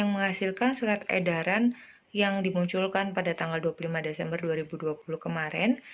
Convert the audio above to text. menghasilkan surat edaran yang dimunculkan pada tanggal dua puluh lima desember dua ribu dua puluh kemarin